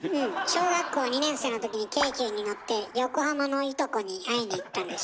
小学校２年生のときに京急に乗って横浜のいとこに会いに行ったんでしょ？